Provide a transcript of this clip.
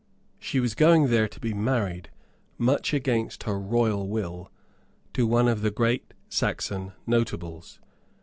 She was going there to be married (much against her royal will) to one of the great Saxon notables.